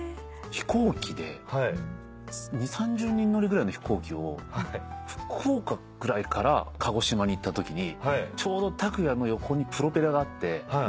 飛行機で２０３０人乗りぐらいの飛行機を福岡ぐらいから鹿児島に行ったときにちょうど卓弥の横にプロペラがあって。